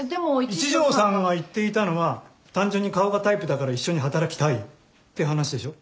一条さんが言っていたのは単純に顔がタイプだから一緒に働きたいって話でしょ。